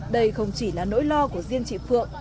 đây không chỉ là nỗi lo của riêng chị phượng